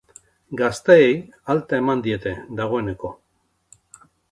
Gazteei alta eman diete, dagoeneko.